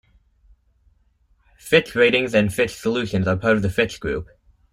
Fitch Ratings and Fitch Solutions are part of the Fitch Group.